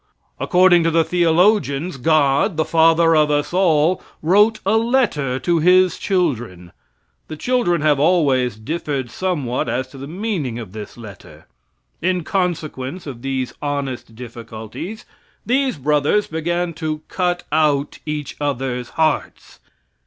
According to the theologians, God, the Father of us all, wrote a letter to His children. The children have always differed somewhat as to the meaning of this letter. In consequence of these honest difficulties, these brothers began to cut out each other's hearts.